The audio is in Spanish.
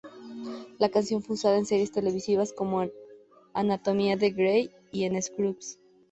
La canción fue usada en series televisivas como "Anatomía de Grey" y en "Scrubs".